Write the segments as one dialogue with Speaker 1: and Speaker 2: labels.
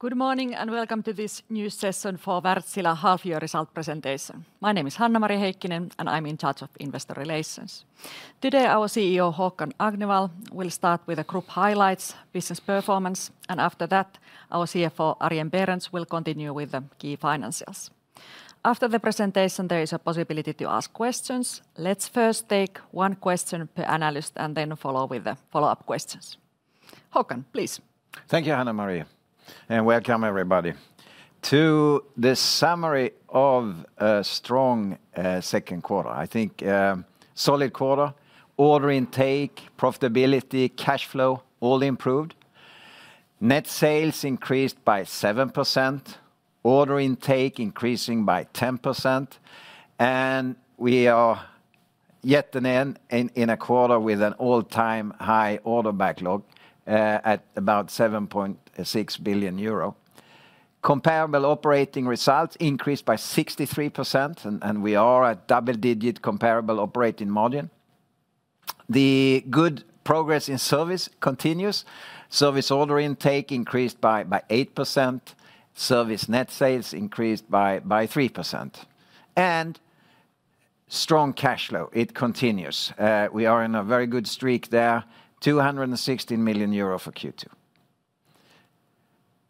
Speaker 1: Good morning and welcome to this new session for Wärtsilä half-year result presentation. My name is Hanna-Maria Heikkinen, and I'm in charge of Investor Relations. Today, our CEO Håkan Agnevall will start with a group highlights, business performance, and after that, our CFO Arjen Berends will continue with the key financials. After the presentation, there is a possibility to ask questions. Let's first take one question per analyst and then follow with the follow-up questions. Håkan, please.
Speaker 2: Thank you, Hanna-Maria, and welcome everybody to the summary of a strong second quarter. I think solid quarter, order intake, profitability, cash flow all improved. Net sales increased by 7%, order intake increasing by 10%, and we are yet again in a quarter with an all-time high order backlog at about 7.6 billion euro. Comparable operating results increased by 63%, and we are at double-digit comparable operating margin. The good progress in service continues. Service order intake increased by 8%, service net sales increased by 3%, and strong cash flow. It continues. We are in a very good streak there, 216 million euro for Q2.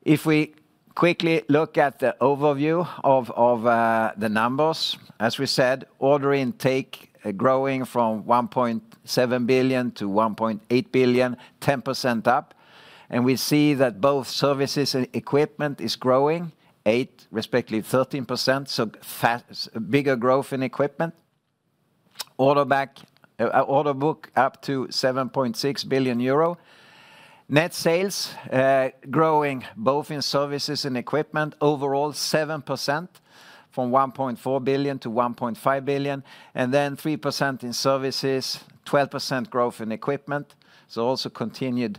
Speaker 2: If we quickly look at the overview of the numbers, as we said, order intake growing from 1.7 billion to 1.8 billion, 10% up, and we see that both services and equipment is growing, 8% respectively 13%, so bigger growth in equipment. Order backlog up to 7.6 billion euro. Net sales growing both in services and equipment overall 7% from 1.4 billion-1.5 billion, and then 3% in services, 12% growth in equipment, so also continued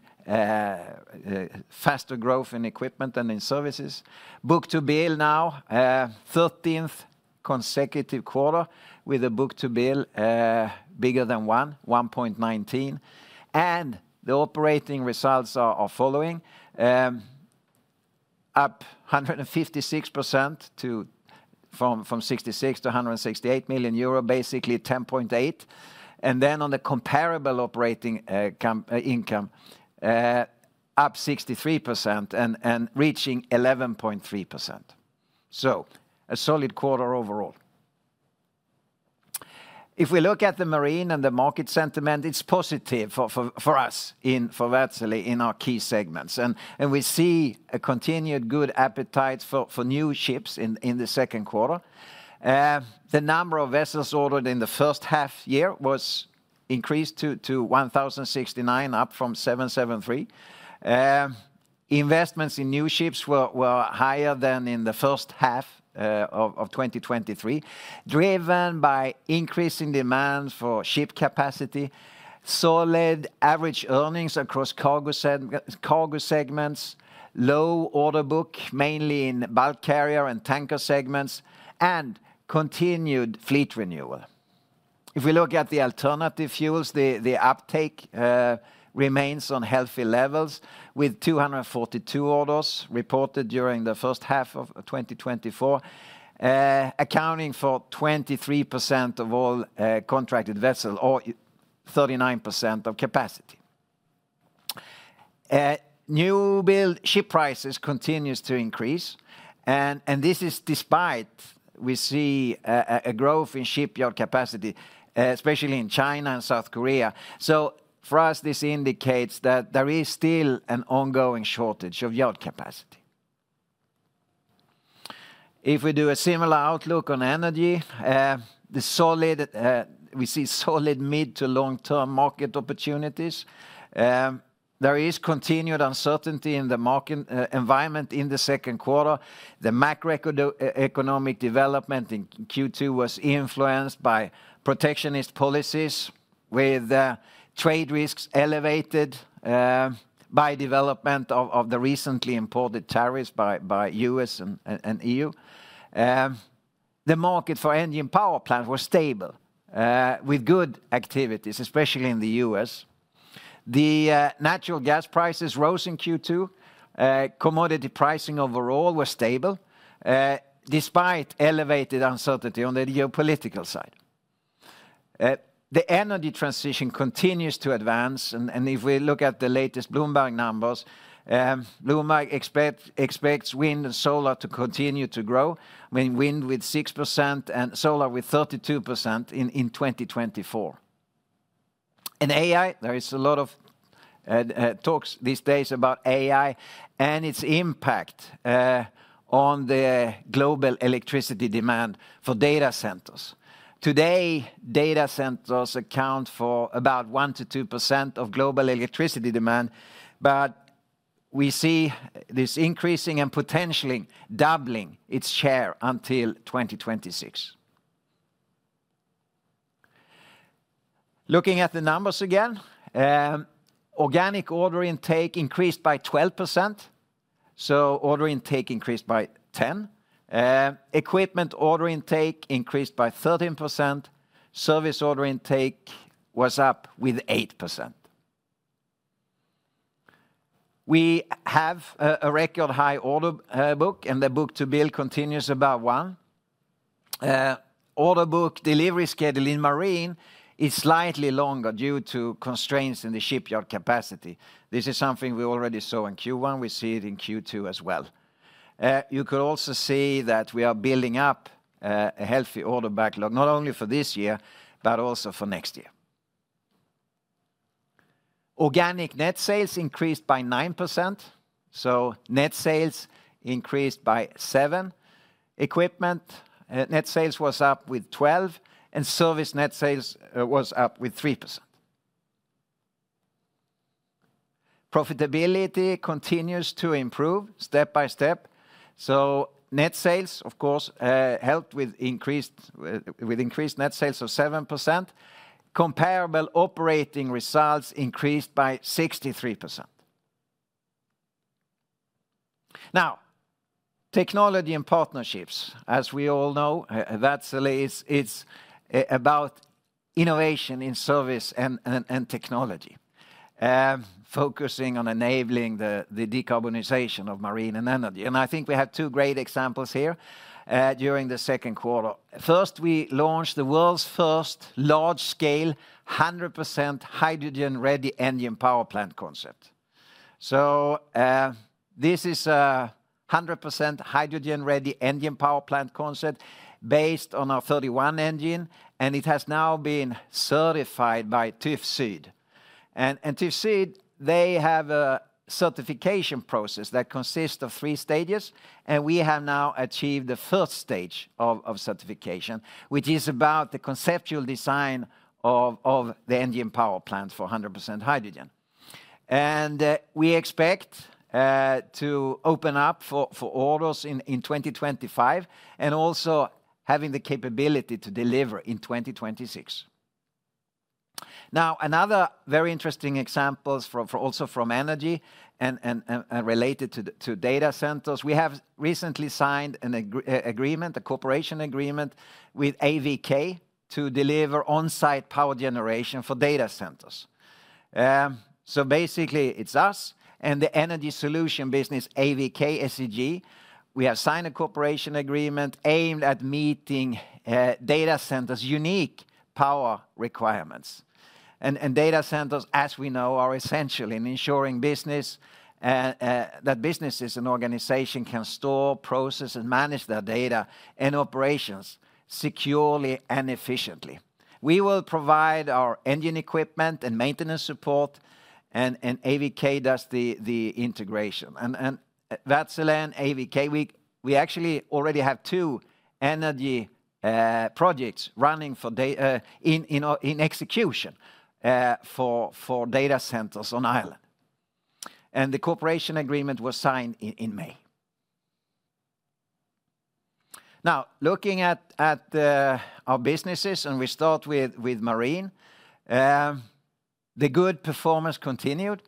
Speaker 2: faster growth in equipment than in services. Book-to-bill now 13th consecutive quarter with a book-to-bill bigger than one, 1.19, and the operating results are following up 156% from 66 million to 168 million euro, basically 10.8%, and then on the comparable operating income up 63% and reaching 11.3%. So a solid quarter overall. If we look at the Marine and the market sentiment, it's positive for us in Wärtsilä in our key segments, and we see a continued good appetite for new ships in the second quarter. The number of vessels ordered in the first half year was increased to 1,069, up from 773. Investments in new ships were higher than in the first half of 2023, driven by increasing demand for ship capacity, solid average earnings across cargo segments, low order book mainly in bulk carrier and tanker segments, and continued fleet renewal. If we look at the alternative fuels, the uptake remains on healthy levels with 242 orders reported during the first half of 2024, accounting for 23% of all contracted vessels or 39% of capacity. New build ship prices continue to increase, and this is despite we see a growth in shipyard capacity, especially in China and South Korea. So for us, this indicates that there is still an ongoing shortage of yard capacity. If we do a similar outlook on Energy, we see solid mid to long-term market opportunities. There is continued uncertainty in the market environment in the second quarter. The macroeconomic development in Q2 was influenced by protectionist policies with trade risks elevated by development of the recently imported tariffs by the U.S. and E.U. The market for engine power plants was stable with good activities, especially in the U.S. The natural gas prices rose in Q2. Commodity pricing overall was stable despite elevated uncertainty on the geopolitical side. The Energy transition continues to advance, and if we look at the latest Bloomberg numbers, Bloomberg expects wind and solar to continue to grow, wind with 6% and solar with 32% in 2024. And AI, there is a lot of talks these days about AI and its impact on the global electricity demand for data centers. Today, data centers account for about 1%-2% of global electricity demand, but we see this increasing and potentially doubling its share until 2026. Looking at the numbers again, organic order intake increased by 12%, so order intake increased by 10%. Equipment order intake increased by 13%. Service order intake was up with 8%. We have a record high order book, and the book-to-bill continues about one. Order book delivery schedule in Marine is slightly longer due to constraints in the shipyard capacity. This is something we already saw in Q1. We see it in Q2 as well. You could also see that we are building up a healthy order backlog not only for this year, but also for next year. Organic net sales increased by 9%, so net sales increased by 7%. Equipment net sales was up with 12%, and service net sales was up with 3%. Profitability continues to improve step by step, so net sales, of course, helped with increased net sales of 7%. Comparable operating result increased by 63%. Now, technology and partnerships, as we all know, Wärtsilä is about innovation in service and technology, focusing on enabling the decarbonization of Marine and Energy. I think we have 2 great examples here during the second quarter. First, we launched the world's first large-scale 100% hydrogen-ready engine power plant concept. So this is a 100% hydrogen-ready engine power plant concept based on our 31 engine, and it has now been certified by TÜV SÜD. And TÜV SÜD, they have a certification process that consists of 3 stages, and we have now achieved the first stage of certification, which is about the conceptual design of the engine power plant for 100% hydrogen. And we expect to open up for orders in 2025 and also having the capability to deliver in 2026. Now, another very interesting example also from energy and related to data centers. We have recently signed an agreement, a cooperation agreement with AVK to deliver on-site power generation for data centers. So basically, it's us and the Energy solution business, AVK SEG. We have signed a cooperation agreement aimed at meeting data centers' unique power requirements. Data centers, as we know, are essential in ensuring that businesses and organizations can store, process, and manage their data and operations securely and efficiently. We will provide our engine equipment and maintenance support, and AVK does the integration. Wärtsilä and AVK, we actually already have two Energy projects running in execution for data centers on island. The cooperation agreement was signed in May. Now, looking at our businesses, we start with Marine. The good performance continued.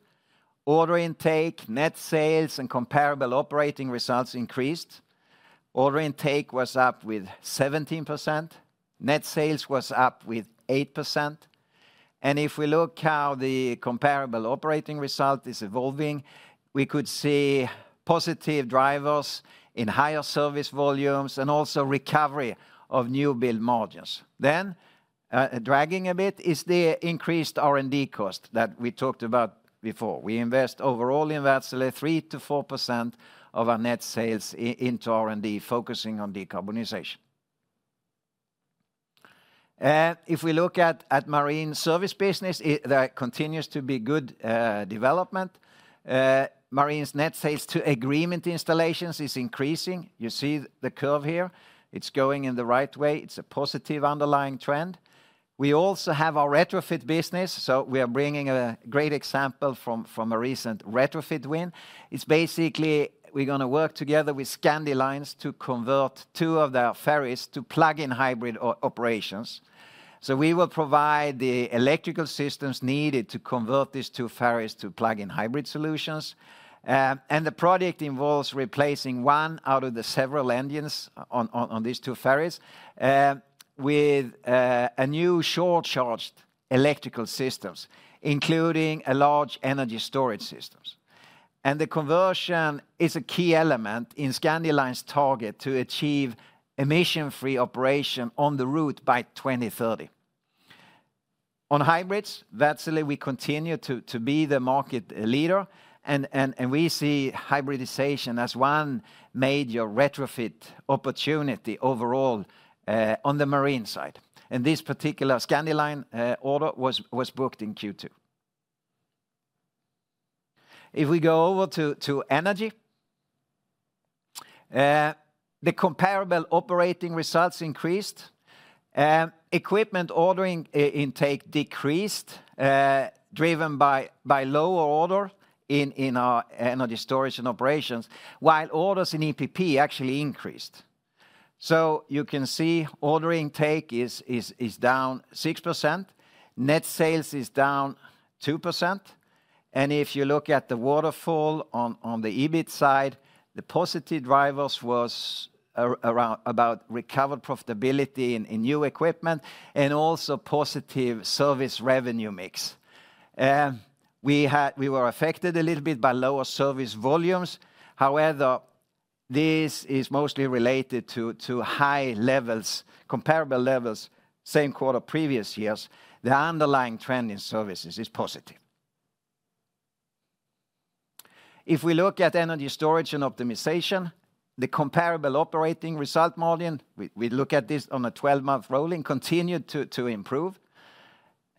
Speaker 2: Order intake, net sales, and comparable operating results increased. Order intake was up with 17%. Net sales was up with 8%. If we look how the comparable operating result is evolving, we could see positive drivers in higher service volumes and also recovery of new build margins. Then, dragging a bit is the increased R&D cost that we talked about before. We invest overall in Wärtsilä 3%-4% of our net sales into R&D, focusing on decarbonization. If we look at Marine service business, there continues to be good development. Marine's net sales to agreement installations is increasing. You see the curve here. It's going in the right way. It's a positive underlying trend. We also have our retrofit business, so we are bringing a great example from a recent retrofit win. It's basically, we're going to work together with Scandilines to convert two of their ferries to plug-in hybrid operations. We will provide the electrical systems needed to convert these two ferries to plug-in hybrid solutions. The project involves replacing one out of the several engines on these two ferries with a new shore-charged electrical system, including a large Energy storage system. The conversion is a key element in Scandilines' target to achieve emission-free operation on the route by 2030. On hybrids, Wärtsilä, we continue to be the market leader, and we see hybridization as one major retrofit opportunity overall on the Marine side. This particular Scandilines order was booked in Q2. If we go over to Energy, the comparable operating results increased. Equipment order intake decreased, driven by lower order in our Energy Storage and Optimisation, while orders in EPP actually increased. So you can see order intake is down 6%. Net sales is down 2%. If you look at the waterfall on the EBIT side, the positive drivers were about recovered profitability in new equipment and also positive service revenue mix. We were affected a little bit by lower service volumes. However, this is mostly related to high levels, comparable levels, same quarter previous years. The underlying trend in services is positive. If we look at Energy storage and optimization, the comparable operating result margin (we look at this on a 12-month rolling) continued to improve.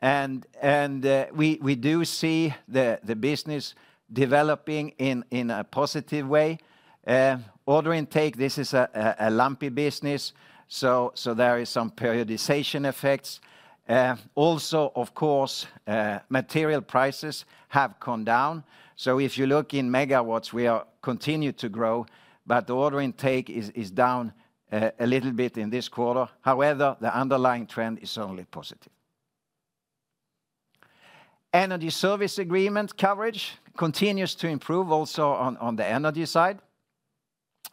Speaker 2: We do see the business developing in a positive way. Order intake: this is a lumpy business, so there are some periodization effects. Also, of course, material prices have gone down. So if you look in megawatts, we are continuing to grow, but the order intake is down a little bit in this quarter. However, the underlying trend is certainly positive. Energy service agreement coverage continues to improve also on the Energy side.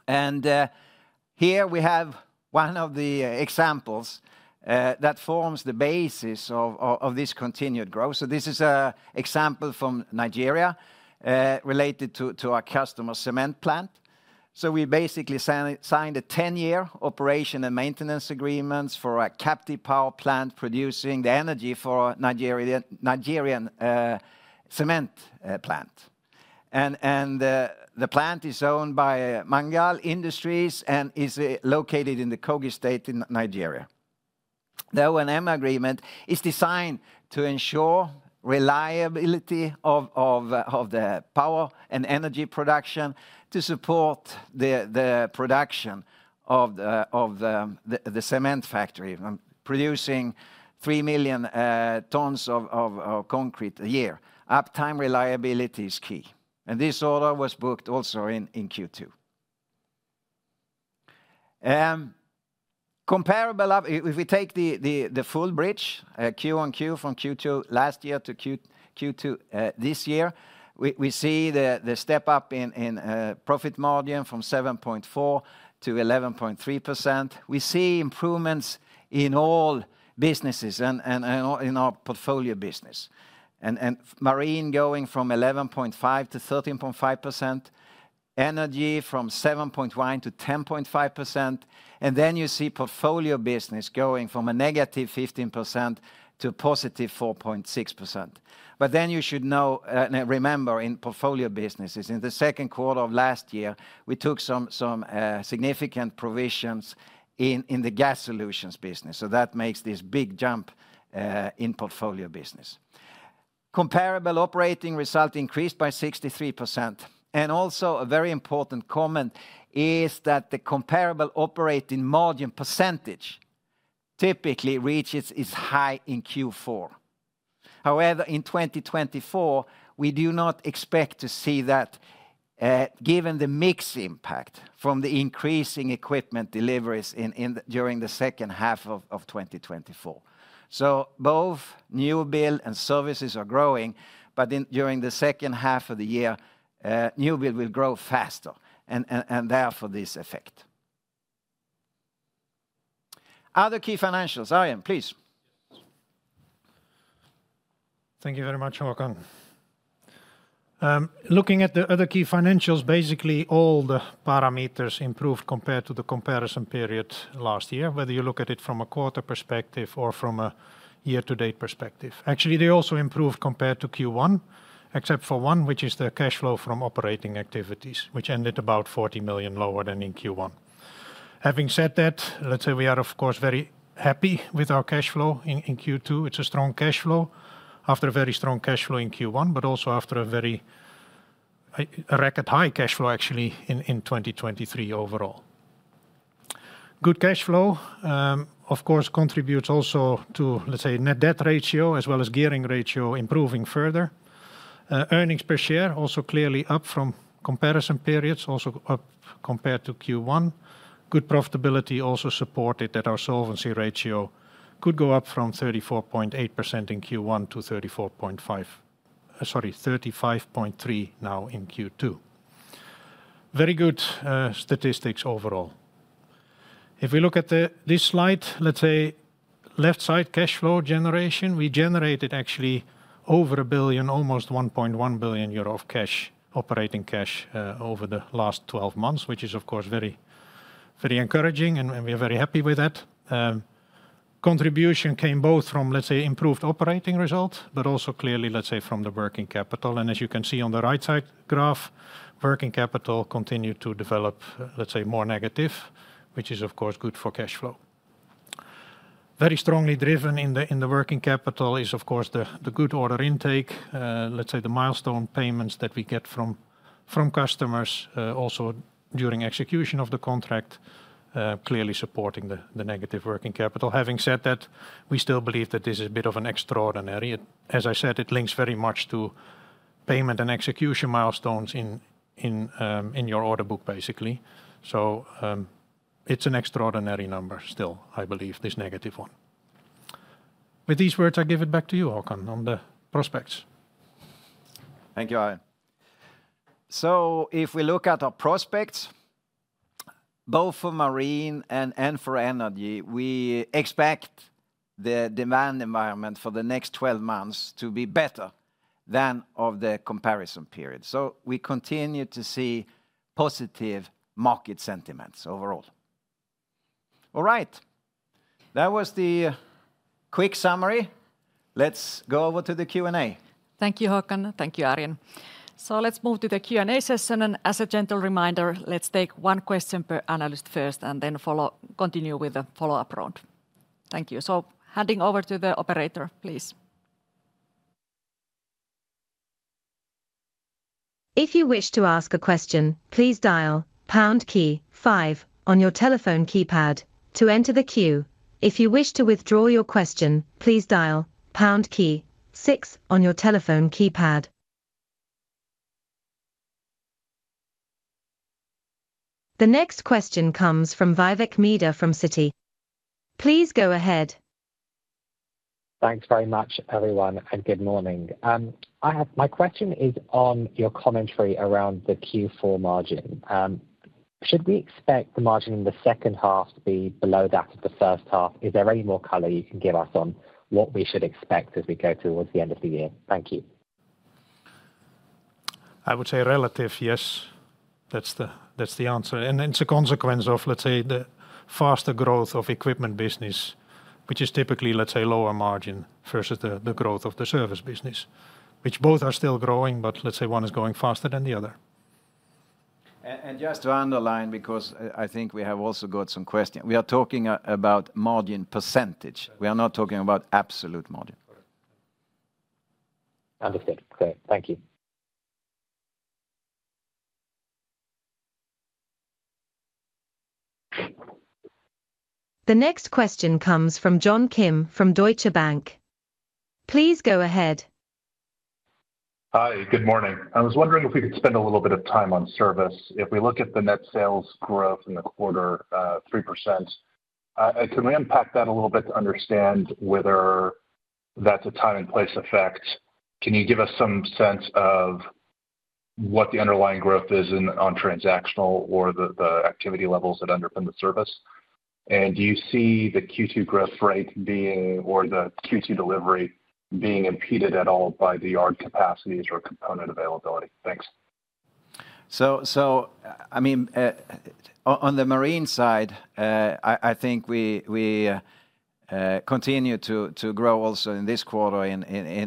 Speaker 2: Here we have one of the examples that forms the basis of this continued growth. This is an example from Nigeria related to our customer cement plant. We basically signed a 10-year operation and maintenance agreement for a captive power plant producing the Energy for a Nigerian cement plant. The plant is owned by Mangal Industries and is located in the Kogi State in Nigeria. The O&M agreement is designed to ensure reliability of the power and Energy production to support the production of the cement factory, producing 3 million tons of concrete a year. Uptime reliability is key. This order was booked also in Q2. If we take the full bridge, Q-on-Q from Q2 last year to Q2 this year, we see the step up in profit margin from 7.4% to 11.3%. We see improvements in all businesses and in our Portfolio Business. And Marine going from 11.5% to 13.5%, Energy from 7.1% to 10.5%. And then you see Portfolio Business going from a negative 15% to a positive 4.6%. But then you should know and remember in Portfolio Businesses, in the second quarter of last year, we took some significant provisions in the gas solutions business. So that makes this big jump in Portfolio Business. Comparable operating result increased by 63%. And also a very important comment is that the comparable operating margin percentage typically reaches is high in Q4. However, in 2024, we do not expect to see that given the mixed impact from the increasing equipment deliveries during the second half of 2024. So both new build and services are growing, but during the second half of the year, new build will grow faster and therefore this effect. Other key financials, Arjen, please.
Speaker 3: Thank you very much, Håkan. Looking at the other key financials, basically all the parameters improved compared to the comparison period last year, whether you look at it from a quarter perspective or from a year-to-date perspective. Actually, they also improved compared to Q1, except for one, which is the cash flow from operating activities, which ended about 40 million lower than in Q1. Having said that, let's say we are, of course, very happy with our cash flow in Q2. It's a strong cash flow after a very strong cash flow in Q1, but also after a very record high cash flow actually in 2023 overall. Good cash flow, of course, contributes also to, let's say, net debt ratio as well as gearing ratio improving further. Earnings per share also clearly up from comparison periods, also up compared to Q1. Good profitability also supported that our solvency ratio could go up from 34.8% in Q1 to 34.5%, sorry, 35.3% now in Q2. Very good statistics overall. If we look at this slide, let's say left side cash flow generation, we generated actually over 1 billion, almost 1.1 billion euro of cash, operating cash over the last 12 months, which is, of course, very encouraging, and we are very happy with that. Contribution came both from, let's say, improved operating results, but also clearly, let's say, from the working capital. As you can see on the right side graph, working capital continued to develop, let's say, more negative, which is, of course, good for cash flow. Very strongly driven in the working capital is, of course, the good order intake, let's say the milestone payments that we get from customers also during execution of the contract, clearly supporting the negative working capital. Having said that, we still believe that this is a bit of an extraordinary. As I said, it links very much to payment and execution milestones in your order book, basically. So it's an extraordinary number still, I believe, this negative one. With these words, I give it back to you, Håkan, on the prospects.
Speaker 2: Thank you, Arjen. So if we look at our prospects, both for Marine and for Energy, we expect the demand environment for the next 12 months to be better than of the comparison period. So we continue to see positive market sentiments overall. All right. That was the quick summary. Let's go over to the Q&A.
Speaker 1: Thank you, Håkan. Thank you, Arjen. So let's move to the Q&A session. And as a gentle reminder, let's take one question per analyst first and then continue with the follow-up round. Thank you. So handing over to the operator, please.
Speaker 4: If you wish to ask a question, please dial pound key five on your telephone keypad to enter the queue. If you wish to withdraw your question, please dial pound key six on your telephone keypad. The next question comes from Vivek Midha from Citi. Please go ahead.
Speaker 5: Thanks very much, everyone, and good morning. My question is on your commentary around the Q4 margin. Should we expect the margin in the second half to be below that of the first half? Is there any more color you can give us on what we should expect as we go towards the end of the year? Thank you.
Speaker 3: I would say relative, yes. That's the answer. And it's a consequence of, let's say, the faster growth of equipment business, which is typically, let's say, lower margin versus the growth of the service business, which both are still growing, but let's say one is going faster than the other. And just to underline, because I think we have also got some questions, we are talking about margin percentage. We are not talking about absolute margin.
Speaker 5: Understood. Thank you.
Speaker 4: The next question comes from John Kim from Deutsche Bank. Please go ahead.
Speaker 6: Hi, good morning. I was wondering if we could spend a little bit of time on service. If we look at the net sales growth in the quarter, 3%, can we unpack that a little bit to understand whether that's a time and place effect? Can you give us some sense of what the underlying growth is on transactional or the activity levels that underpin the service? And do you see the Q2 growth rate being or the Q2 delivery being impeded at all by the yard capacities or component availability? Thanks.
Speaker 2: So, I mean, on the Marine side, I think we continue to grow also in this quarter in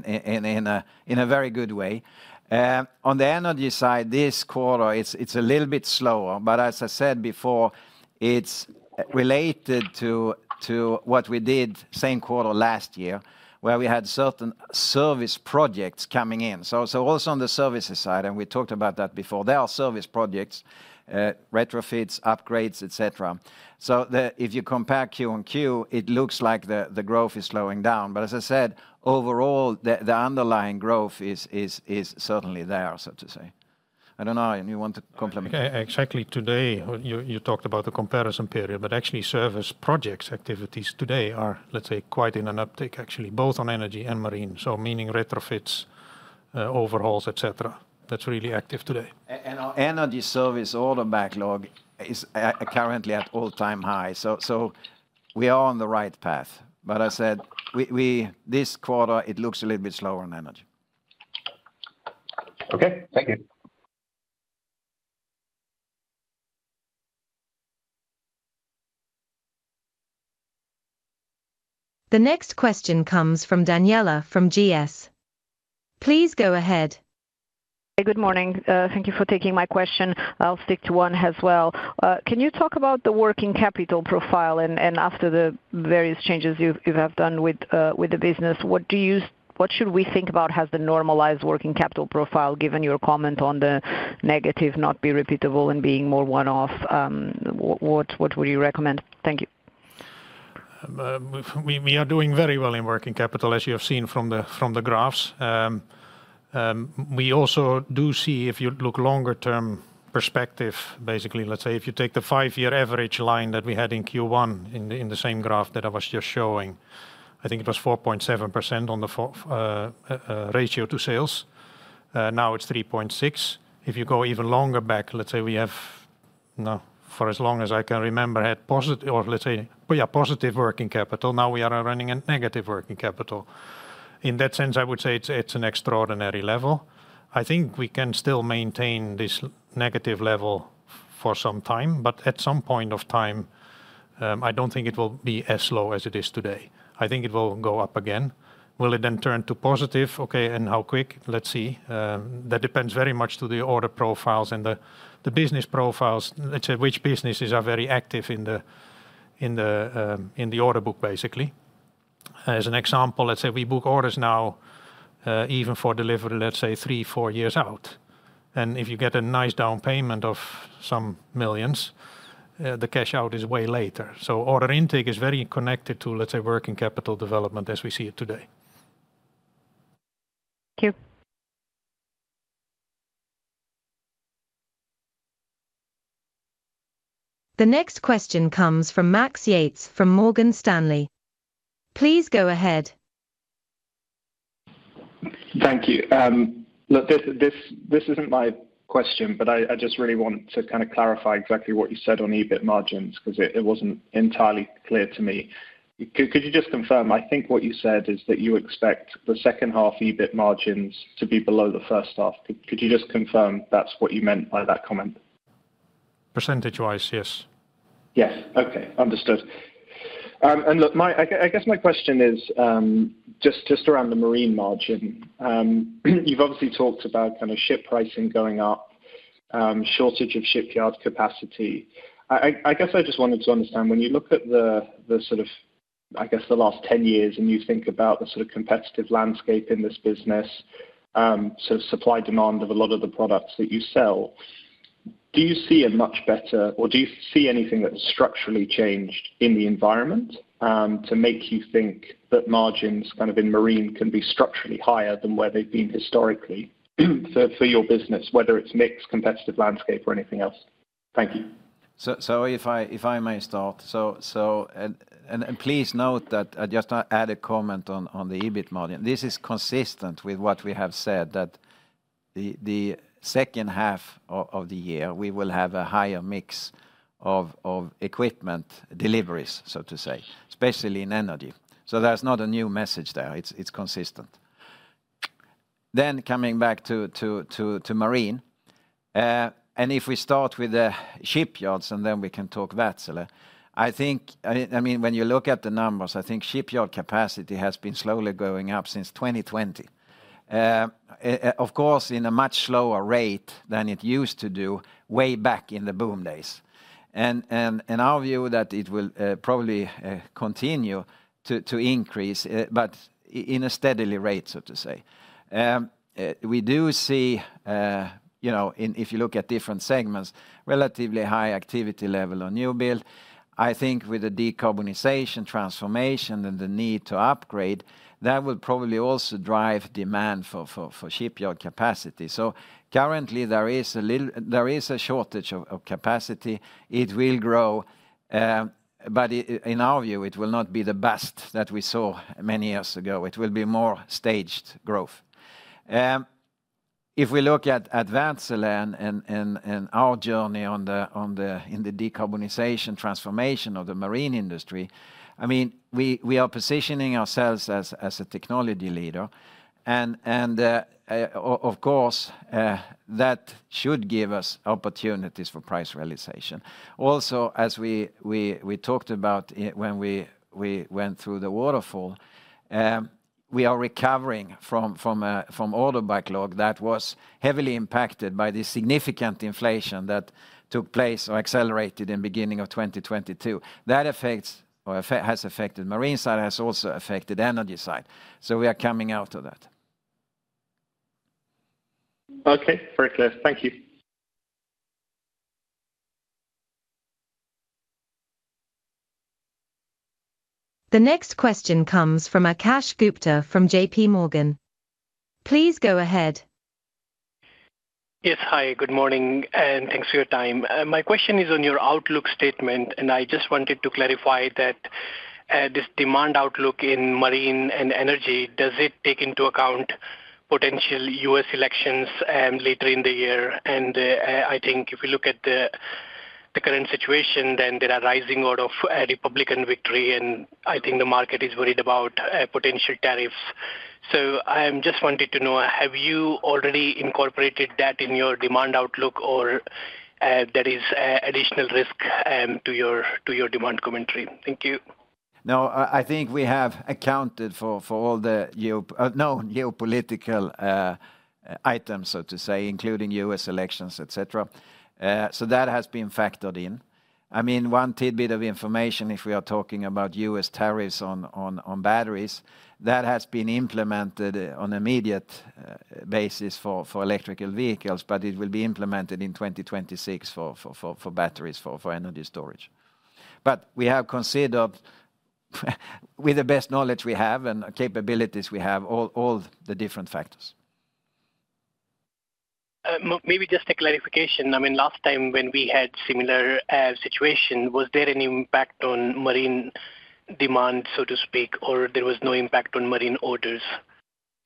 Speaker 2: a very good way. On the Energy side, this quarter, it's a little bit slower, but as I said before, it's related to what we did same quarter last year, where we had certain service projects coming in. So also on the services side, and we talked about that before, there are service projects, retrofits, upgrades, etc. So if you compare Q and Q, it looks like the growth is slowing down. But as I said, overall, the underlying growth is certainly there, so to say. I don't know, Arjen, you want to comment?
Speaker 3: Exactly. Today, you talked about the comparison period, but actually service projects activities today are, let's say, quite in an uptick, actually, both on Energy and Marine. So meaning retrofits, overhauls, etc. That's really active today.
Speaker 2: And our Energy service order backlog is currently at all-time high. So we are on the right path. But I said, this quarter, it looks a little bit slower on Energy.
Speaker 6: Okay, thank you.
Speaker 4: The next question comes from Daniela from Goldman Sachs. Please go ahead.
Speaker 7: Hey, good morning. Thank you for taking my question. I'll stick to one as well. Can you talk about the working capital profile and after the various changes you have done with the business, what should we think about has the normalized working capital profile, given your comment on the negative, not be repeatable and being more one-off? What would you recommend? Thank you.
Speaker 3: We are doing very well in working capital, as you have seen from the graphs. We also do see, if you look longer-term perspective, basically, let's say, if you take the 5-year average line that we had in Q1 in the same graph that I was just showing, I think it was 4.7% on the ratio to sales. Now it's 3.6%. If you go even longer back, let's say we have, for as long as I can remember, had positive or, let's say, yeah, positive working capital. Now we are running a negative working capital. In that sense, I would say it's an extraordinary level. I think we can still maintain this negative level for some time, but at some point of time, I don't think it will be as low as it is today. I think it will go up again. Will it then turn to positive? Okay, and how quick? Let's see. That depends very much on the order profiles and the business profiles, let's say, which businesses are very active in the order book, basically. As an example, let's say we book orders now even for delivery, let's say, 3-4 years out. And if you get a nice down payment of some millions, the cash out is way later. So order intake is very connected to, let's say, working capital development as we see it today.
Speaker 7: Thank you.
Speaker 4: The next question comes from Max Yates from Morgan Stanley. Please go ahead.
Speaker 8: Thank you. Look, this isn't my question, but I just really want to kind of clarify exactly what you said on EBIT margins because it wasn't entirely clear to me. Could you just confirm? I think what you said is that you expect the second half EBIT margins to be below the first half. Could you just confirm that's what you meant by that comment?
Speaker 3: Percentage-wise, yes.
Speaker 8: Yes. Okay, understood. And look, I guess my question is just around the Marine margin. You've obviously talked about kind of ship pricing going up, shortage of shipyard capacity. I guess I just wanted to understand when you look at the sort of, I guess, the last 10 years and you think about the sort of competitive landscape in this business, sort of supply demand of a lot of the products that you sell, do you see a much better or do you see anything that's structurally changed in the environment to make you think that margins kind of in marine can be structurally higher than where they've been historically for your business, whether it's mixed competitive landscape or anything else? Thank you.
Speaker 2: So if I may start, and please note that I just add a comment on the EBIT margin. This is consistent with what we have said, that the second half of the year, we will have a higher mix of equipment deliveries, so to say, especially in Energy. So there's not a new message there. It's consistent. Then coming back to Marine, and if we start with the shipyards, and then we can talk Wärtsilä, I think, I mean, when you look at the numbers, I think shipyard capacity has been slowly going up since 2020, of course, in a much slower rate than it used to do way back in the boom days. And our view that it will probably continue to increase, but in a steadily rate, so to say. We do see, if you look at different segments, relatively high activity level on new build. I think with the decarbonization transformation and the need to upgrade, that will probably also drive demand for shipyard capacity. So currently, there is a shortage of capacity. It will grow, but in our view, it will not be the best that we saw many years ago. It will be more staged growth. If we look at Wärtsilä and our journey in the decarbonization transformation of the Marine industry, I mean, we are positioning ourselves as a technology leader. Of course, that should give us opportunities for price realization. Also, as we talked about when we went through the waterfall, we are recovering from order backlog that was heavily impacted by the significant inflation that took place or accelerated in the beginning of 2022. That has affected Marine side, has also affected Energy side. We are coming out of that.
Speaker 8: Okay, very clear. Thank you.
Speaker 4: The next question comes from Akash Gupta from JPMorgan. Please go ahead.
Speaker 9: Yes, hi, good morning, and thanks for your time. My question is on your outlook statement, and I just wanted to clarify that this demand outlook in Marine and Energy, does it take into account potential U.S. elections later in the year? I think if we look at the current situation, then there are rising odds of Republican victory, and I think the market is worried about potential tariffs. So I just wanted to know, have you already incorporated that in your demand outlook, or there is additional risk to your demand commentary? Thank you.
Speaker 2: No, I think we have accounted for all the non-geopolitical items, so to say, including U.S. elections, etc. That has been factored in. I mean, one tidbit of information, if we are talking about U.S. tariffs on batteries, that has been implemented on an immediate basis for electric vehicles, but it will be implemented in 2026 for batteries, for Energy storage. But we have considered, with the best knowledge we have and capabilities we have, all the different factors.
Speaker 9: Maybe just a clarification. I mean, last time when we had a similar situation, was there any impact on Marine demand, so to speak, or there was no impact on Marine orders?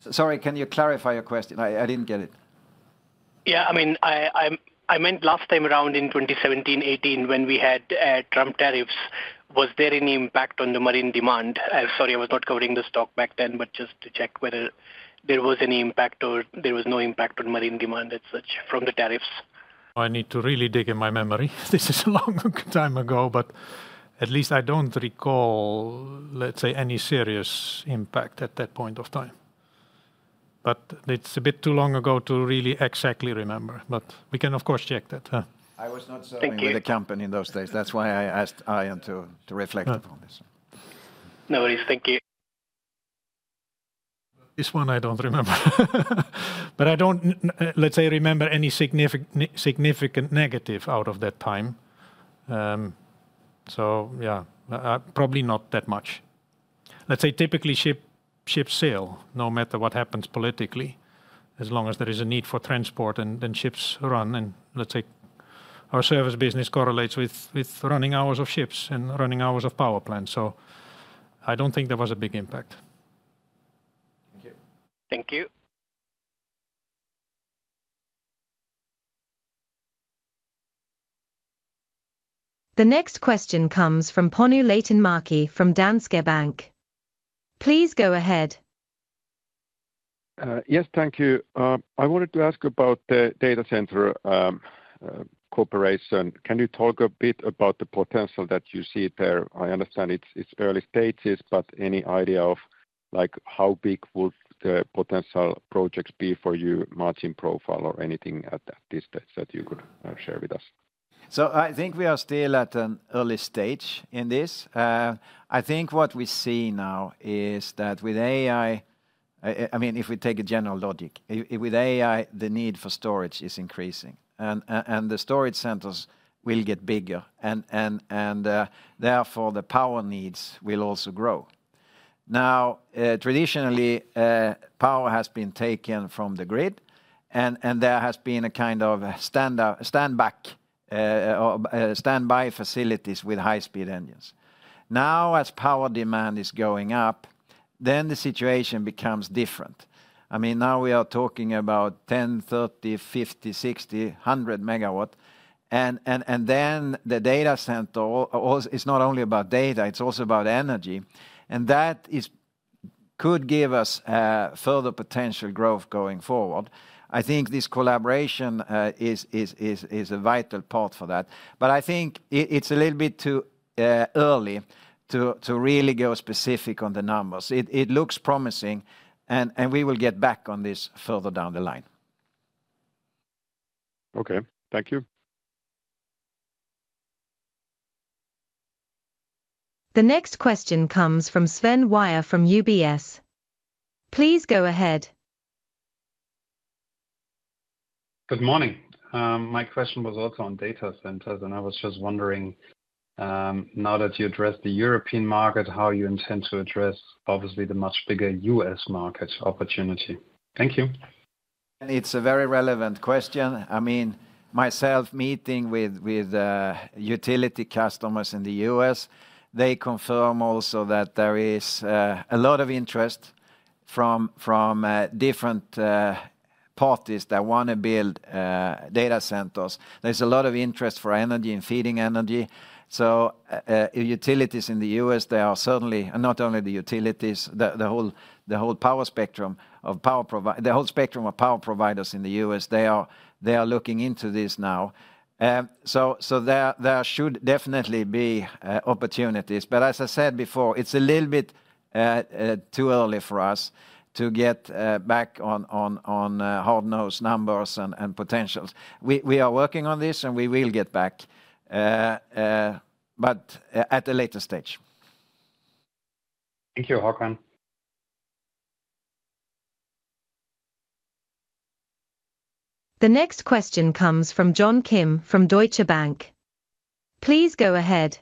Speaker 2: Sorry, can you clarify your question? I didn't get it.
Speaker 9: Yeah, I mean, I meant last time around in 2017, 2018, when we had Trump tariffs, was there any impact on the Marine demand? Sorry, I was not covering the stock back then, but just to check whether there was any impact or there was no impact on Marine demand as such from the tariffs.
Speaker 2: I need to really dig in my memory. This is a long time ago, but at least I don't recall, let's say, any serious impact at that point of time. But it's a bit too long ago to really exactly remember, but we can, of course, check that. I was not so familiar with the company in those days. That's why I asked Arjen to reflect upon this.
Speaker 9: No worries. Thank you.
Speaker 2: This one I don't remember, but I don't, let's say, remember any significant negative out of that time. So yeah, probably not that much. Let's say typically ships sail no matter what happens politically. As long as there is a need for transport, then ships run. And let's say our service business correlates with running hours of ships and running hours of power plants. So I don't think there was a big impact.
Speaker 9: Thank you.
Speaker 2: Thank you.
Speaker 4: The next question comes from Panu Laitinmäki from Danske Bank. Please go ahead.
Speaker 10: Yes, thank you. I wanted to ask about the data center corporation. Can you talk a bit about the potential that you see there? I understand it's early stages, but any idea of how big would the potential projects be for you, margin profile, or anything at this stage that you could share with us?
Speaker 2: So I think we are still at an early stage in this. I think what we see now is that with AI, I mean, if we take a general logic, with AI, the need for storage is increasing, and the storage centers will get bigger, and therefore the power needs will also grow. Now, traditionally, power has been taken from the grid, and there has been a kind of standby facilities with high-speed engines. Now, as power demand is going up, then the situation becomes different. I mean, now we are talking about 10, 30, 50, 60, 100 MW, and then the data center is not only about data, it's also about Energy, and that could give us further potential growth going forward. I think this collaboration is a vital part for that. But I think it's a little bit too early to really go specific on the numbers. It looks promising, and we will get back on this further down the line.
Speaker 10: Okay, thank you.
Speaker 4: The next question comes from Sven Weier from UBS. Please go ahead.
Speaker 11: Good morning. My question was also on data centers, and I was just wondering, now that you addressed the European market, how you intend to address, obviously, the much bigger U.S. market opportunity? Thank you.
Speaker 2: It's a very relevant question. I mean, myself meeting with utility customers in the U.S., they confirm also that there is a lot of interest from different parties that want to build data centers. There's a lot of interest for Energy and feeding Energy. So utilities in the U.S., they are certainly, and not only the utilities, the whole power spectrum of power providers, the whole spectrum of power providers in the U.S., they are looking into this now. So there should definitely be opportunities. But as I said before, it's a little bit too early for us to get back on hard-nosed numbers and potentials. We are working on this, and we will get back, but at a later stage.
Speaker 11: Thank you, Håkan.
Speaker 4: The next question comes from John Kim from Deutsche Bank. Please go ahead.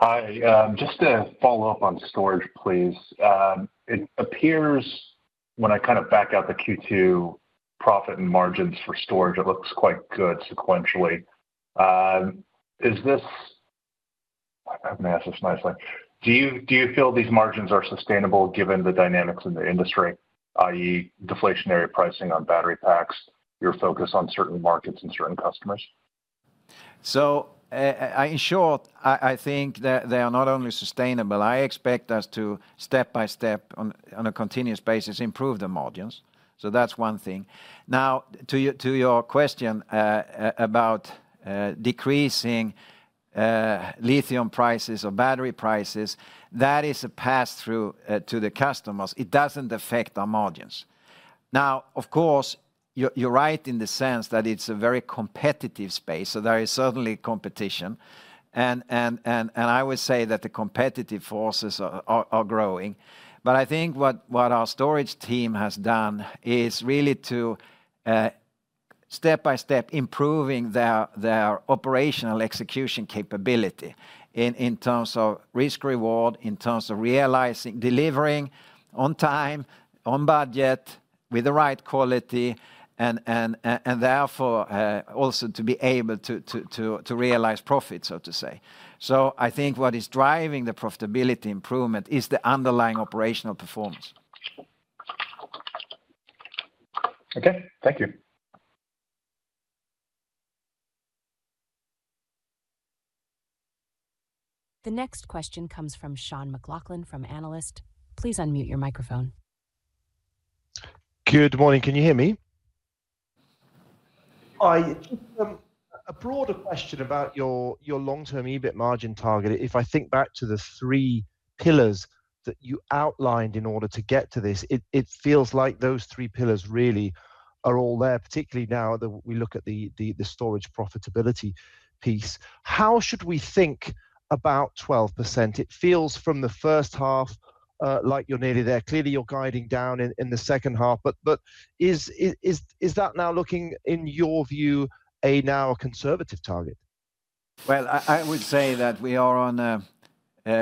Speaker 6: Hi, just to follow up on storage, please. It appears when I kind of back out the Q2 profit and margins for storage, it looks quite good sequentially. I'm going to ask this nicely. Do you feel these margins are sustainable given the dynamics in the industry, i.e., deflationary pricing on battery packs, your focus on certain markets and certain customers?
Speaker 2: So in short, I think they are not only sustainable. I expect us to step by step, on a continuous basis, improve the margins. So that's one thing. Now, to your question about decreasing lithium prices or battery prices, that is a pass-through to the customers. It doesn't affect our margins. Now, of course, you're right in the sense that it's a very competitive space, so there is certainly competition. And I would say that the competitive forces are growing. But I think what our storage team has done is really to step by step improving their operational execution capability in terms of risk-reward, in terms of realizing, delivering on time, on budget, with the right quality, and therefore also to be able to realize profits, so to say. So I think what is driving the profitability improvement is the underlying operational performance.
Speaker 6: Okay, thank you.
Speaker 4: The next question comes from Sean McLoughlin from HSBC. Please unmute your microphone.
Speaker 12: Good morning. Can you hear me? Hi. A broader question about your long-term EBIT margin target. If I think back to the three pillars that you outlined in order to get to this, it feels like those three pillars really are all there, particularly now that we look at the storage profitability piece. How should we think about 12%? It feels from the first half like you're nearly there. Clearly, you're guiding down in the second half. But is that now looking, in your view, a now conservative target?
Speaker 3: Well, I would say that we are on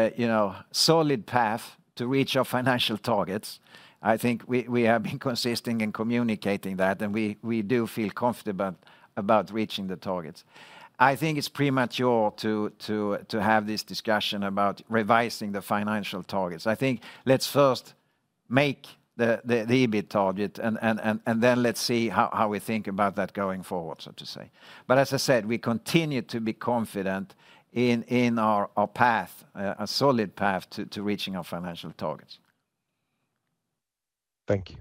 Speaker 3: a solid path to reach our financial targets. I think we have been consistent in communicating that, and we do feel confident about reaching the targets. I think it's premature to have this discussion about revising the financial targets. I think let's first make the EBIT target, and then let's see how we think about that going forward, so to say. But as I said, we continue to be confident in our path, a solid path to reaching our financial targets.
Speaker 12: Thank you.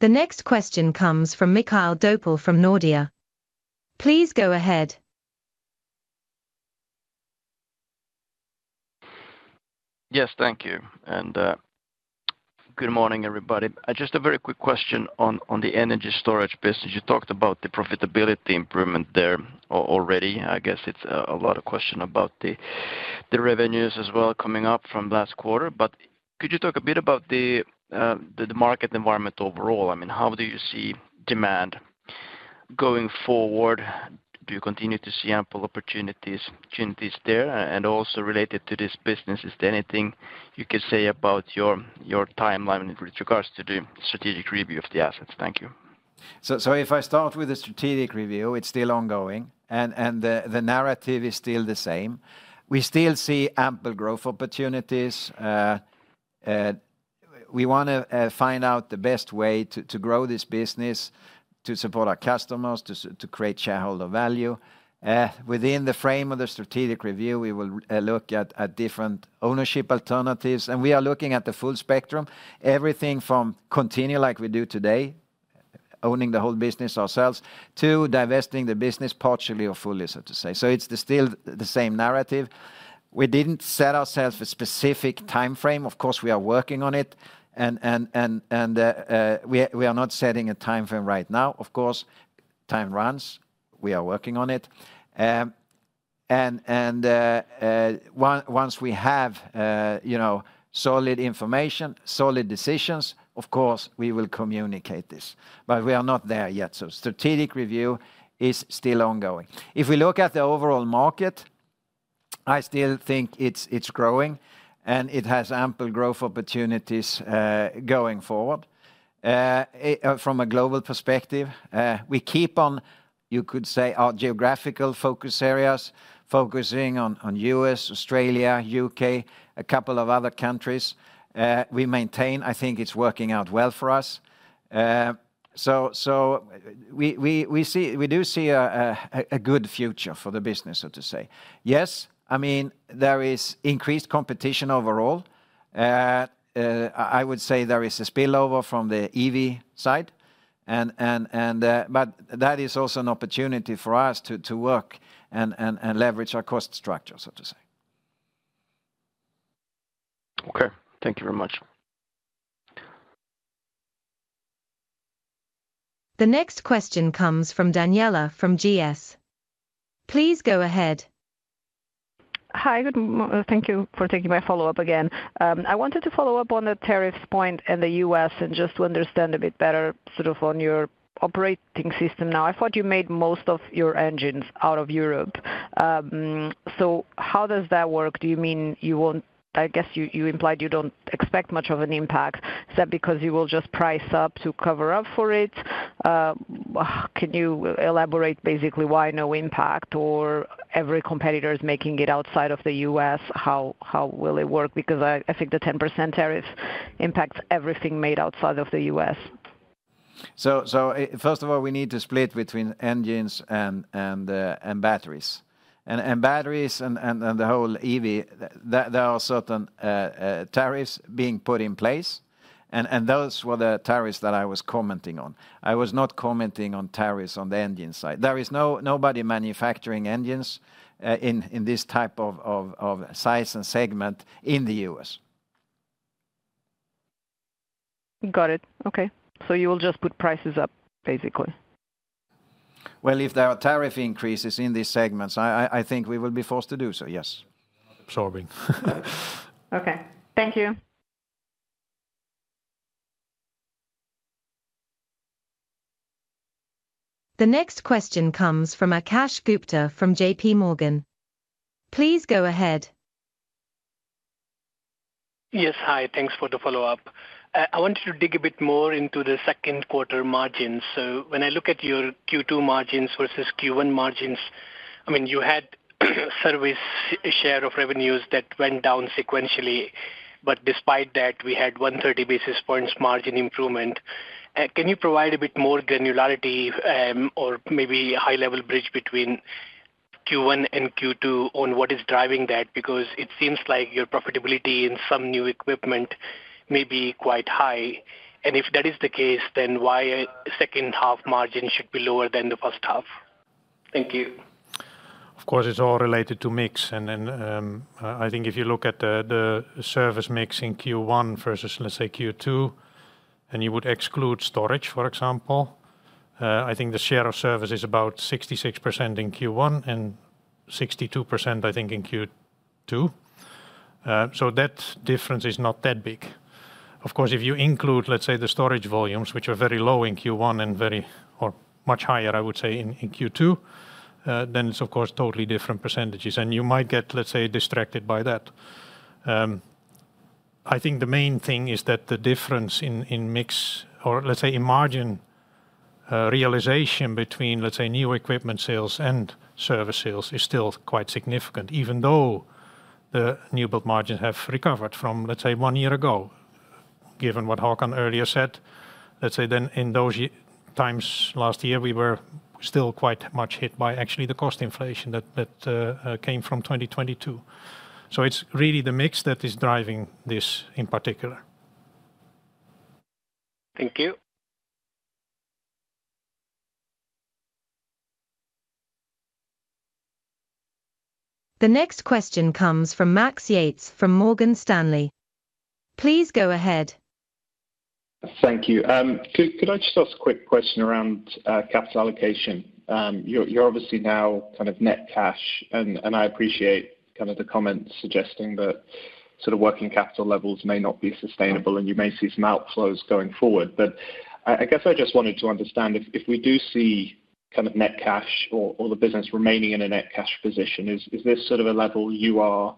Speaker 4: The next question comes from Mikael Doepel from Nordea. Please go ahead.
Speaker 13: Yes, thank you. And good morning, everybody. Just a very quick question on the Energy storage business. You talked about the profitability improvement there already. I guess it's a lot of questions about the revenues as well coming up from last quarter. But could you talk a bit about the market environment overall? I mean, how do you see demand going forward? Do you continue to see ample opportunities there? And also related to this business, is there anything you could say about your timeline with regards to the strategic review of the assets? Thank you.
Speaker 2: So if I start with the strategic review, it's still ongoing, and the narrative is still the same. We still see ample growth opportunities. We want to find out the best way to grow this business, to support our customers, to create shareholder value. Within the frame of the strategic review, we will look at different ownership alternatives. And we are looking at the full spectrum, everything from continuing like we do today, owning the whole business ourselves, to divesting the business partially or fully, so to say. So it's still the same narrative. We didn't set ourselves a specific timeframe. Of course, we are working on it, and we are not setting a timeframe right now. Of course, time runs. We are working on it. And once we have solid information, solid decisions, of course, we will communicate this. But we are not there yet. So strategic review is still ongoing. If we look at the overall market, I still think it's growing, and it has ample growth opportunities going forward from a global perspective. We keep on, you could say, our geographical focus areas, focusing on the U.S., Australia, U.K., a couple of other countries. We maintain, I think it's working out well for us. So we do see a good future for the business, so to say. Yes, I mean, there is increased competition overall. I would say there is a spillover from the EV side. But that is also an opportunity for us to work and leverage our cost structure, so to say.
Speaker 13: Okay, thank you very much.
Speaker 4: The next question comes from Daniela from Goldman Sachs. Please go ahead.
Speaker 7: Hi, good morning. Thank you for taking my follow-up again. I wanted to follow up on the tariffs point in the U.S. and just to understand a bit better sort of on your operating system now. I thought you made most of your engines out of Europe. So how does that work? Do you mean you won't, I guess you implied you don't expect much of an impact. Is that because you will just price up to cover up for it? Can you elaborate basically why no impact or every competitor is making it outside of the U.S.? How will it work? Because I think the 10% tariff impacts everything made outside of the U.S.
Speaker 3: So first of all, we need to split between engines and batteries. And batteries and the whole EV, there are certain tariffs being put in place. And those were the tariffs that I was commenting on. I was not commenting on tariffs on the engine side. There is nobody manufacturing engines in this type of size and segment in the U.S.
Speaker 7: Got it. Okay. So you will just put prices up, basically?
Speaker 3: Well, if there are tariff increases in these segments, I think we will be forced to do so, yes.
Speaker 2: Absorbing.
Speaker 7: Okay. Thank you.
Speaker 4: The next question comes from Akash Gupta from JPMorgan. Please go ahead.
Speaker 9: Yes, hi. Thanks for the follow-up. I wanted to dig a bit more into the second quarter margins. So when I look at your Q2 margins versus Q1 margins, I mean, you had a service share of revenues that went down sequentially. But despite that, we had 130 basis points margin improvement. Can you provide a bit more granularity or maybe a high-level bridge between Q1 and Q2 on what is driving that? Because it seems like your profitability in some new equipment may be quite high. And if that is the case, then why second half margin should be lower than the first half? Thank you.
Speaker 3: Of course, it's all related to mix. And I think if you look at the service mix in Q1 versus, let's say, Q2, and you would exclude storage, for example, I think the share of service is about 66% in Q1 and 62%, I think, in Q2. So that difference is not that big. Of course, if you include, let's say, the storage volumes, which are very low in Q1 and very much higher, I would say, in Q2, then it's, of course, totally different percentages. And you might get, let's say, distracted by that. I think the main thing is that the difference in mix or, let's say, in margin realization between, let's say, new equipment sales and service sales is still quite significant, even though the new build margins have recovered from, let's say, one year ago. Given what Håkan earlier said, let's say, then in those times last year, we were still quite much hit by actually the cost inflation that came from 2022. So it's really the mix that is driving this in particular.
Speaker 9: Thank you.
Speaker 4: The next question comes from Max Yates from Morgan Stanley. Please go ahead.
Speaker 8: Thank you. Could I just ask a quick question around capital allocation? You're obviously now kind of net cash, and I appreciate kind of the comments suggesting that sort of working capital levels may not be sustainable, and you may see some outflows going forward. But I guess I just wanted to understand if we do see kind of net cash or the business remaining in a net cash position, is this sort of a level you are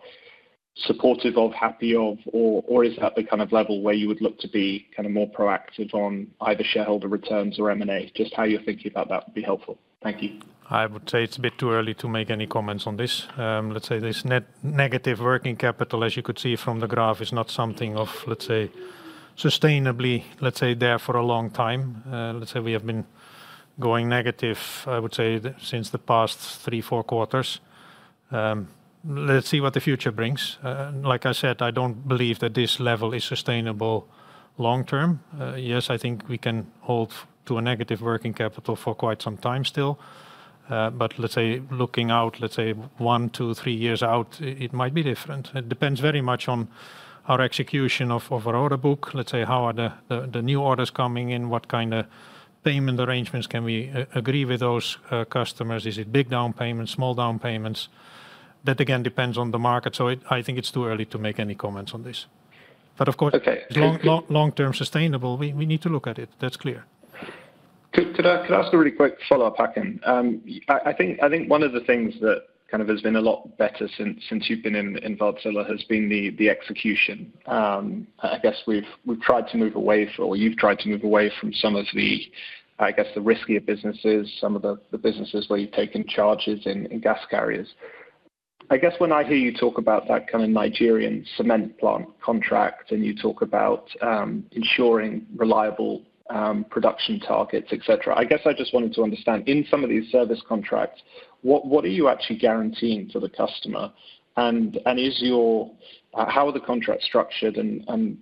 Speaker 8: supportive of, happy of, or is that the kind of level where you would look to be kind of more proactive on either shareholder returns or M&A? Just how you're thinking about that would be helpful. Thank you.
Speaker 2: I would say it's a bit too early to make any comments on this. Let's say this negative working capital, as you could see from the graph, is not something of, let's say, sustainably, let's say, there for a long time. Let's say we have been going negative, I would say, since the past three, four quarters. Let's see what the future brings. Like I said, I don't believe that this level is sustainable long term. Yes, I think we can hold to a negative working capital for quite some time still. But let's say looking out, let's say, one, two, three years out, it might be different. It depends very much on our execution of our order book. Let's say how are the new orders coming in? What kind of payment arrangements can we agree with those customers? Is it big down payments, small down payments? That again depends on the market. So I think it's too early to make any comments on this. But of course, long-term sustainable, we need to look at it. That's clear.
Speaker 8: Could I ask a really quick follow-up, Håkan? I think one of the things that kind of has been a lot better since you've been involved, Håkan, has been the execution. I guess we've tried to move away from, or you've tried to move away from some of the, I guess, the riskier businesses, some of the businesses where you've taken charges in gas carriers. I guess when I hear you talk about that kind of Nigerian cement plant contract and you talk about ensuring reliable production targets, etc., I guess I just wanted to understand in some of these service contracts, what are you actually guaranteeing to the customer? How are the contracts structured, and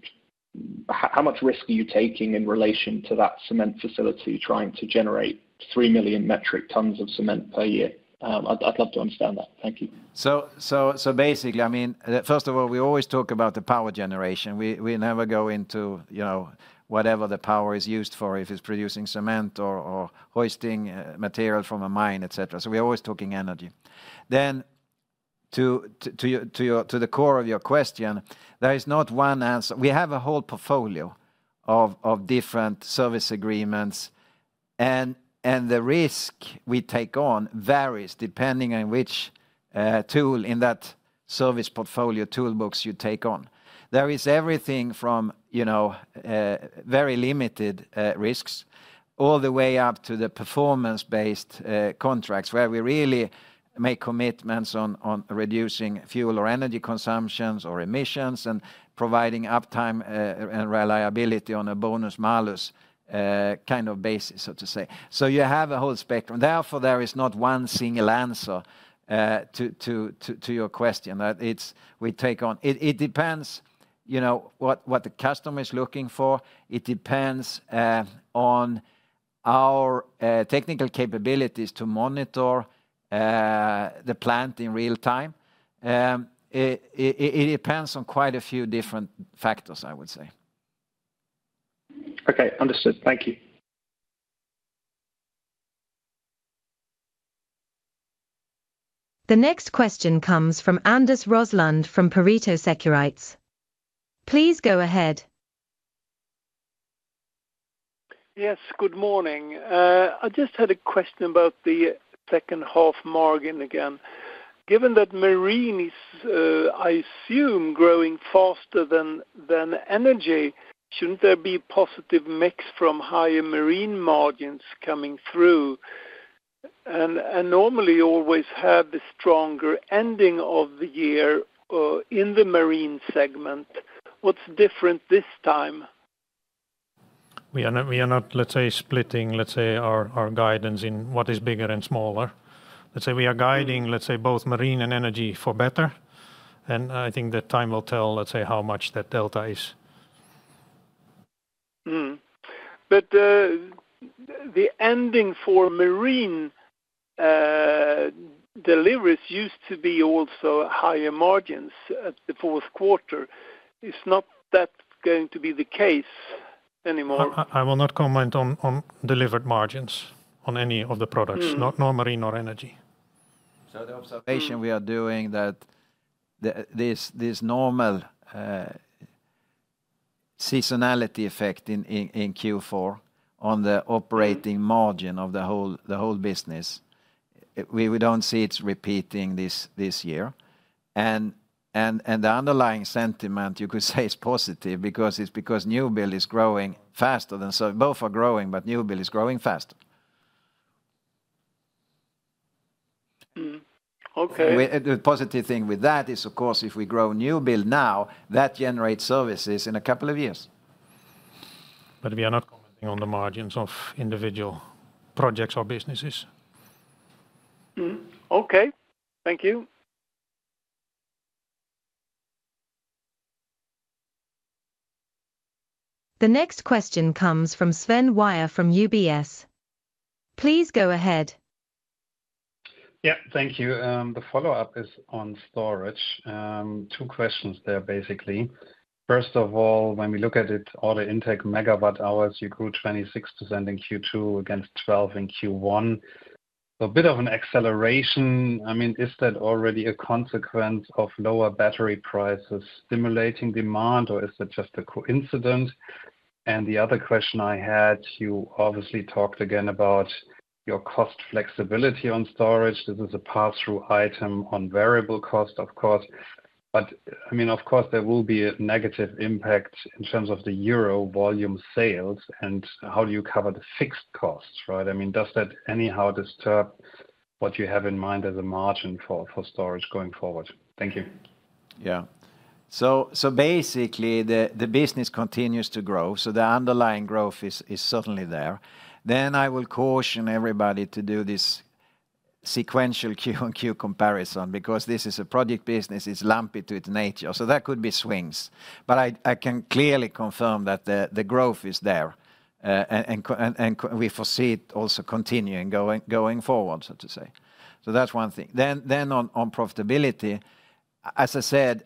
Speaker 8: how much risk are you taking in relation to that cement facility trying to generate 3 million metric tons of cement per year? I'd love to understand that. Thank you.
Speaker 2: Basically, I mean, first of all, we always talk about the power generation. We never go into whatever the power is used for, if it's producing cement or hoisting material from a mine, etc. We're always talking Energy. Then to the core of your question, there is not one answer. We have a whole portfolio of different service agreements, and the risk we take on varies depending on which tool in that service portfolio toolbox you take on. There is everything from very limited risks all the way up to the performance-based contracts where we really make commitments on reducing fuel or Energy consumptions or emissions and providing uptime and reliability on a bonus-malus kind of basis, so to say. So you have a whole spectrum. Therefore, there is not one single answer to your question that we take on. It depends what the customer is looking for. It depends on our technical capabilities to monitor the plant in real time. It depends on quite a few different factors, I would say.
Speaker 8: Okay, understood. Thank you.
Speaker 4: The next question comes from Anders Roslund from Pareto Securities. Please go ahead.
Speaker 14: Yes, good morning. I just had a question about the second-half margin again. Given that Marine is, I assume, growing faster than Energy, shouldn't there be positive mix from higher Marine margins coming through? And normally always have the stronger ending of the year in the Marine segment. What's different this time?
Speaker 3: We are not, let's say, splitting, let's say, our guidance in what is bigger and smaller. Let's say we are guiding, let's say, both Marine and Energy for better. And I think that time will tell, let's say, how much that delta is.
Speaker 14: But the ending for Marine deliveries used to be also higher margins at the fourth quarter. It's not that going to be the case anymore.
Speaker 3: I will not comment on delivered margins on any of the products, nor Marine nor Energy.
Speaker 2: So the observation we are doing that this normal seasonality effect in Q4 on the operating margin of the whole business, we don't see it repeating this year. And the underlying sentiment, you could say, is positive because new build is growing faster than both are growing, but new build is growing faster.
Speaker 14: Okay.
Speaker 2: The positive thing with that is, of course, if we grow new build now, that generates services in a couple of years.
Speaker 3: But we are not commenting on the margins of individual projects or businesses.
Speaker 14: Okay. Thank you.
Speaker 4: The next question comes from Sven Weier from UBS. Please go ahead.
Speaker 11: Yeah, thank you. The follow-up is on storage. Two questions there, basically. First of all, when we look at it, all the intake megawatt hours, you grew 26% in Q2 against 12% in Q1. So a bit of an acceleration. I mean, is that already a consequence of lower battery prices stimulating demand, or is that just a coincidence? The other question I had, you obviously talked again about your cost flexibility on storage. This is a pass-through item on variable cost, of course. But I mean, of course, there will be a negative impact in terms of the EUR volume sales and how do you cover the fixed costs, right? I mean, does that anyhow disturb what you have in mind as a margin for storage going forward? Thank you.
Speaker 2: Yeah. So basically, the business continues to grow. So the underlying growth is certainly there. Then I will caution everybody to do this sequential Q-on-Q comparison because this is a project business, it's lumpy to its nature. So that could be swings. But I can clearly confirm that the growth is there. And we foresee it also continuing going forward, so to say. So that's one thing. Then on profitability, as I said,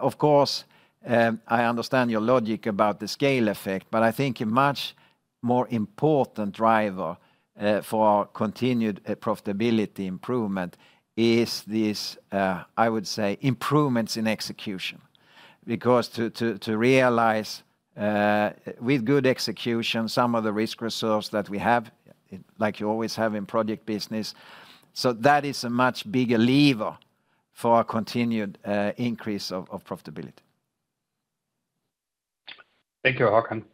Speaker 2: of course, I understand your logic about the scale effect, but I think a much more important driver for continued profitability improvement is these, I would say, improvements in execution. Because to realize with good execution, some of the risk reserves that we have, like you always have in project business, so that is a much bigger lever for our continued increase of profitability.
Speaker 11: Thank you, Håkan.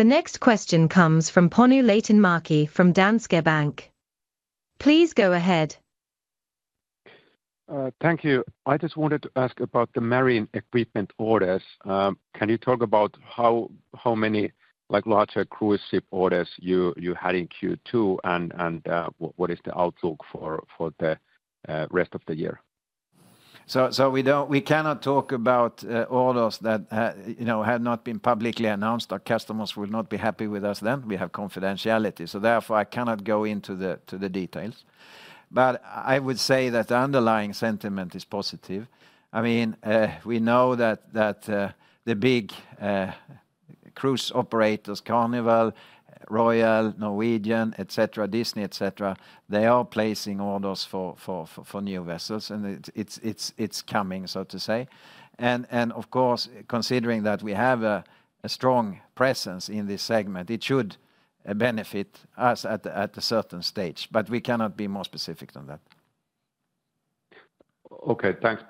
Speaker 4: The next question comes from Panu Laitinmäki from Danske Bank. Please go ahead.
Speaker 10: Thank you. I just wanted to ask about the Marine equipment orders. Can you talk about how many larger cruise ship orders you had in Q2 and what is the outlook for the rest of the year?
Speaker 2: So we cannot talk about orders that had not been publicly announced or customers will not be happy with us then. We have confidentiality. Therefore, I cannot go into the details. I would say that the underlying sentiment is positive. I mean, we know that the big cruise operators, Carnival, Royal, Norwegian, etc., Disney, etc., they are placing orders for new vessels, and it's coming, so to say. Of course, considering that we have a strong presence in this segment, it should benefit us at a certain stage. We cannot be more specific than that.
Speaker 10: Okay, thanks.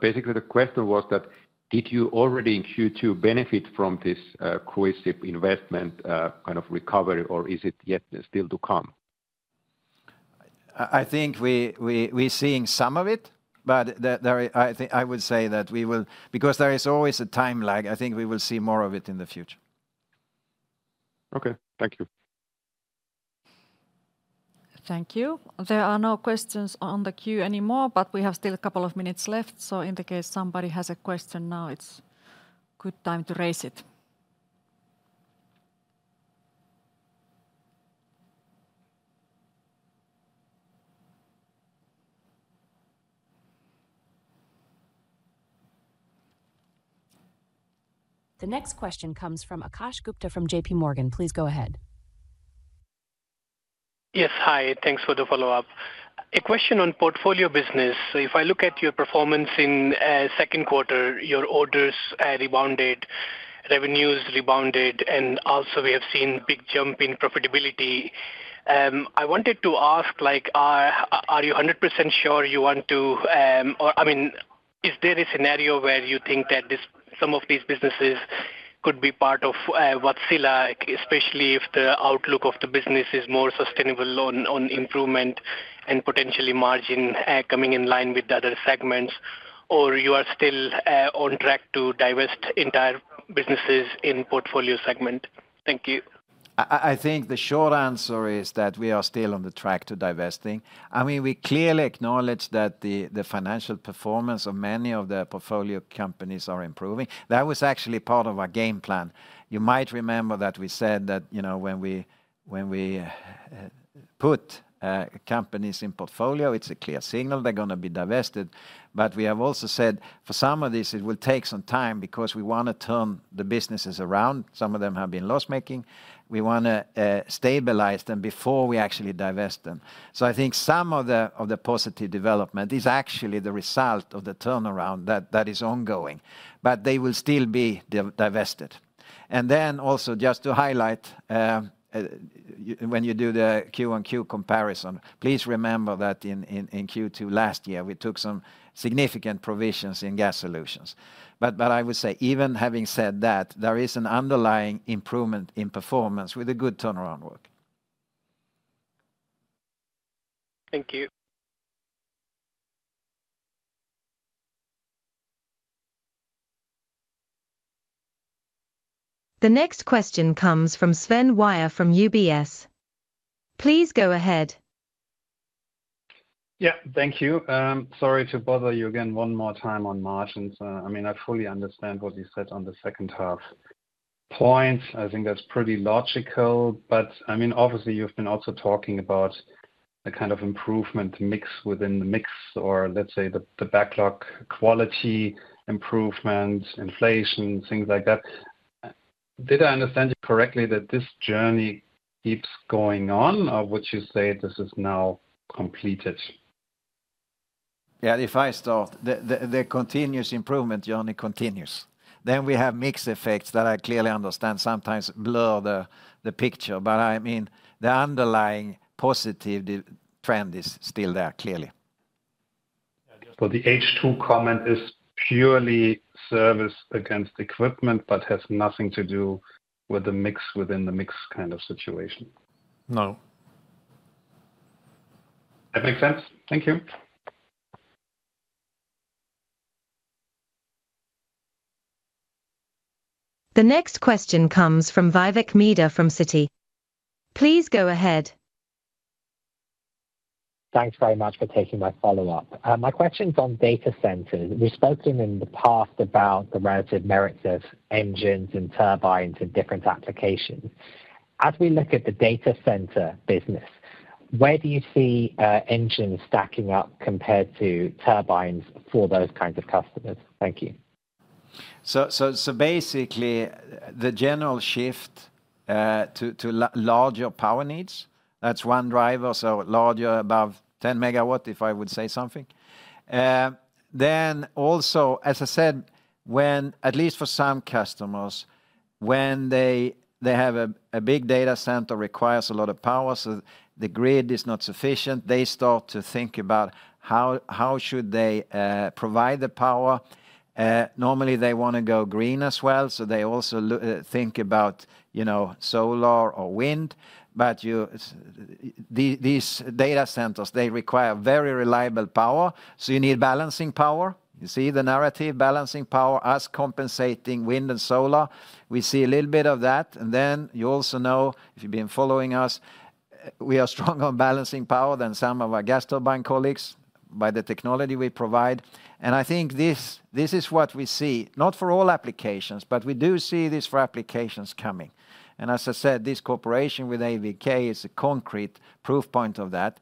Speaker 10: Basically, the question was that, did you already in Q2 benefit from this cruise ship investment kind of recovery, or is it yet still to come?
Speaker 2: I think we're seeing some of it, but I would say that we will, because there is always a time lag, I think we will see more of it in the future.
Speaker 10: Okay, thank you.
Speaker 1: Thank you. There are no questions on the queue anymore, but we have still a couple of minutes left. In the case somebody has a question now, it's a good time to raise it.
Speaker 4: The next question comes from Akash Gupta from JPMorgan. Please go ahead.
Speaker 9: Yes, hi. Thanks for the follow-up. A question on Portfolio Business. If I look at your performance in second quarter, your orders rebounded, revenues rebounded, and also we have seen a big jump in profitability. I wanted to ask, are you 100% sure you want to, or I mean, is there a scenario where you think that some of these businesses could be part of Wärtsilä, especially if the outlook of the business is more sustainable on improvement and potentially margin coming in line with the other segments, or you are still on track to divest entire businesses in portfolio segment? Thank you.
Speaker 2: I think the short answer is that we are still on the track to divesting. I mean, we clearly acknowledge that the financial performance of many of the portfolio companies are improving. That was actually part of our game plan. You might remember that we said that when we put companies in portfolio, it's a clear signal they're going to be divested. But we have also said for some of these, it will take some time because we want to turn the businesses around. Some of them have been loss-making. We want to stabilize them before we actually divest them. So I think some of the positive development is actually the result of the turnaround that is ongoing, but they will still be divested. And then also just to highlight, when you do the Q-on-Q comparison, please remember that in Q2 last year, we took some significant provisions in Gas Solutions. But I would say, even having said that, there is an underlying improvement in performance with a good turnaround work.
Speaker 9: Thank you.
Speaker 4: The next question comes from Sven Weier from UBS. Please go ahead.
Speaker 11: Yeah, thank you. Sorry to bother you again one more time on margins. I mean, I fully understand what you said on the second half point. I think that's pretty logical. But I mean, obviously, you've been also talking about the kind of improvement mix within the mix or, let's say, the backlog quality improvement, inflation, things like that. Did I understand you correctly that this journey keeps going on, or would you say this is now completed?
Speaker 2: Yeah, if I start, the continuous improvement journey continues. Then we have mixed effects that I clearly understand sometimes blur the picture. But I mean, the underlying positive trend is still there, clearly.
Speaker 11: So the H2 comment is purely service against equipment, but has nothing to do with the mix within the mix kind of situation.
Speaker 2: No.
Speaker 11: That makes sense. Thank you.
Speaker 4: The next question comes from Vivek Midha from Citi. Please go ahead.
Speaker 5: Thanks very much for taking my follow-up. My question is on data centers. We've spoken in the past about the relative merits of engines and turbines in different applications. As we look at the data center business, where do you see engines stacking up compared to turbines for those kinds of customers? Thank you.
Speaker 2: So basically, the general shift to larger power needs, that's one driver, so larger above 10 MW, if I would say something. Then also, as I said, at least for some customers, when they have a big data center that requires a lot of power, so the grid is not sufficient, they start to think about how should they provide the power. Normally, they want to go green as well. So they also think about solar or wind. But these data centers, they require very reliable power. So you need balancing power. You see the narrative, balancing power as compensating wind and solar. We see a little bit of that. And then you also know, if you've been following us, we are strong on balancing power than some of our gas turbine colleagues by the technology we provide. And I think this is what we see, not for all applications, but we do see this for applications coming. As I said, this cooperation with AVK is a concrete proof point of that.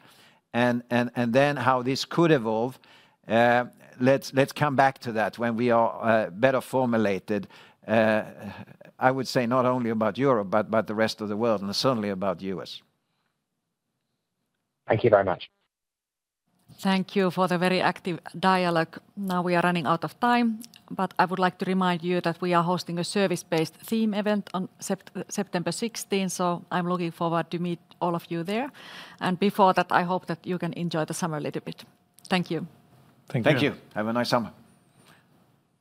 Speaker 2: Then how this could evolve, let's come back to that when we are better formulated, I would say not only about Europe, but the rest of the world, and certainly about the U.S.
Speaker 5: Thank you very much.
Speaker 1: Thank you for the very active dialogue. Now we are running out of time, but I would like to remind you that we are hosting a service-based theme event on September 16th. I'm looking forward to meet all of you there. Before that, I hope that you can enjoy the summer a little bit. Thank you.
Speaker 3: Thank you.
Speaker 2: Thank you. Have a nice summer.